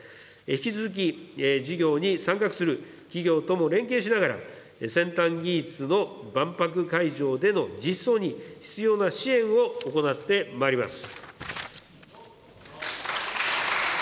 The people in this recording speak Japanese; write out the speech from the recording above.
引き続き事業に参画する企業とも連携しながら、先端技術の万博会場での実装に必要な支援を行ってまいります。